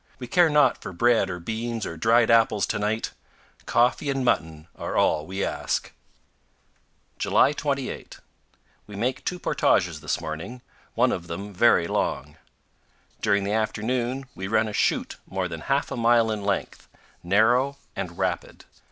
We care not for bread or beans or dried apples to night; coffee and mutton are all we ask. July 28. We make two portages this morning, one of them very long. During the afternoon we run a chute more than half a mile in length, narrow and rapid.